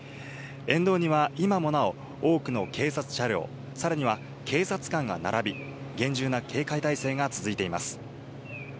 沿道には今もなお、多くの警察車両、さらには警察官が並び、厳重な警戒態勢が続いています。